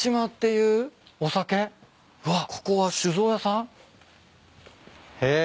うわここは酒造屋さん？へ。